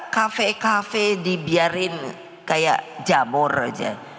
dia dibiarin kayak jamur aja